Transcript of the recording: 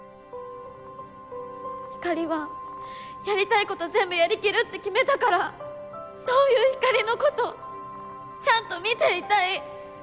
ひかりはやりたいこと全部やりきるって決めたからそういうひかりのことちゃんと見ていたい！